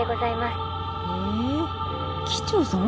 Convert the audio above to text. へえ機長さん